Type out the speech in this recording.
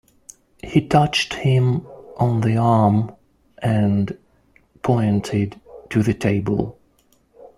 He touched him on the arm and pointed to the table.